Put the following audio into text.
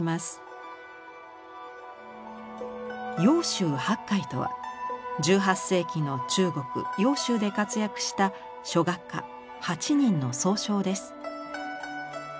揚州八怪とは１８世紀の中国・揚州で活躍した書画家８人の総称です。